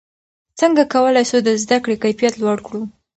څنګه کولای سو د زده کړې کیفیت لوړ کړو؟